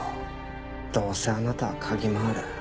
どうせあなたは嗅ぎ回る。